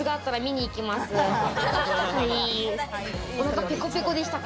お腹ペコペコでしたか？